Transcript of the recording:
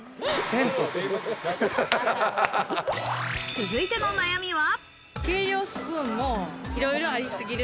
続いての悩みは。